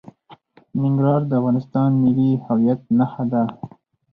ننګرهار د افغانستان د ملي هویت نښه ده.